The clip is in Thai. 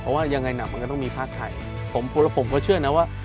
เพราะว่ายังไงนะมันก็ต้องมีภาคไทยผมก็เชื่อนะว่า